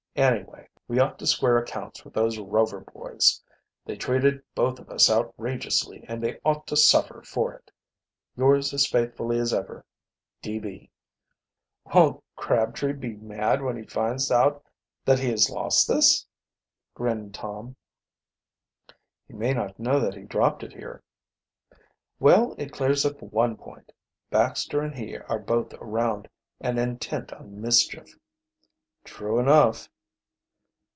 Anyway, we ought to square accounts with those Rover boys. They treated both of us outrageously and they ought to suffer for it. "Yours as faithfully as ever, "D.B." "Won't Crabtree be mad when he finds out that he lost this?" grinned Tom. "He may not know that he dropped it here." "Well, it clears up one point. Baxter and he are both around, and intent on mischief." "True enough."